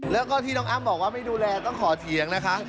แล้วก็ที่น้องอ้ำบอกว่าไม่ดูแลต้องขอเถียงนะคะ